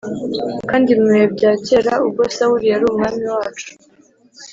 Kandi mu bihe bya kera ubwo Sawuli yari umwami wacu